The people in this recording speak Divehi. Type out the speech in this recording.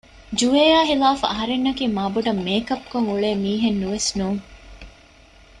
ޖުވޭއާ ހިލާފަށް އަހަރެންނަކީ މާބޮޑަށް މޭކަޕް ކޮށް އުޅޭ މީހެއް ނުވެސް ނޫން